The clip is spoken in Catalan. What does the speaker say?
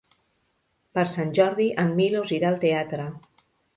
Per Sant Jordi en Milos irà al teatre.